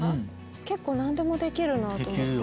結構何でもできるなと思って。